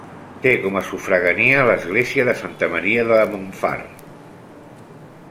Té com a sufragània l'església de Santa Maria de Montfar.